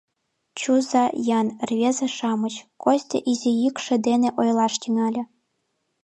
— Чуза-ян, рвезе-шамыч, — Костя изи йӱкшӧ дене ойлаш тӱҥале